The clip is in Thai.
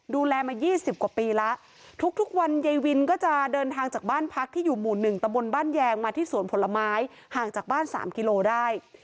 ดูแลมา๒๐กว่าปีแล้วทุกวันยายวินก็จะเดินทางจากบ้านพักที่อยู่หมู่๑ตะบนบ้านแยงมาที่สวนผลไม้ห่างจากบ้าน๓กิโลได้